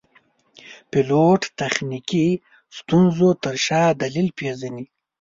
پیلوټ د تخنیکي ستونزو تر شا دلیل پېژني.